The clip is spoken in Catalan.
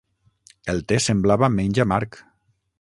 El te semblava menys amarg.